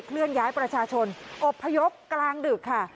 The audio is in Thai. เลื่อนย้ายประชาชนอบพยพกลางดึกค่ะ